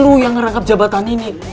lo yang ngerangkap jabatan ini